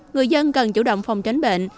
người dân cần chủ động phòng tránh bệnh